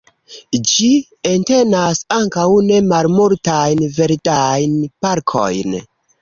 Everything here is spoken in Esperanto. Gi entenas ankaŭ ne malmultajn verdajn parkojn.